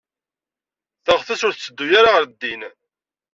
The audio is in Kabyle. Teɣtes ur tetteddu ara ɣer din.